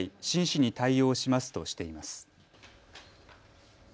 真摯に対応しますとしています。